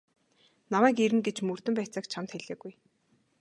Намайг ирнэ гэж мөрдөн байцаагч чамд хэлээгүй.